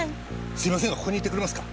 すいませんがここにいてくれますか。